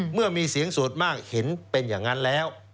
เมื่อมีเสียงส่วนมากเห็นเป็นอย่างนั้นแล้ว